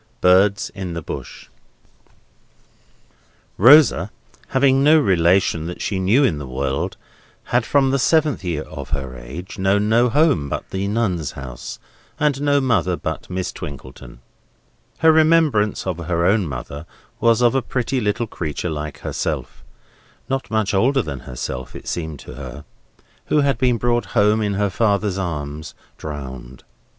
BIRDS IN THE BUSH Rosa, having no relation that she knew of in the world, had, from the seventh year of her age, known no home but the Nuns' House, and no mother but Miss Twinkleton. Her remembrance of her own mother was of a pretty little creature like herself (not much older than herself it seemed to her), who had been brought home in her father's arms, drowned.